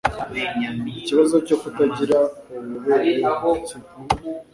Ikibazo cyo kutagira ububobere mu gitsina